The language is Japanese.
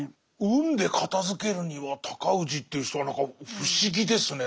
運で片づけるには尊氏という人は何か不思議ですね。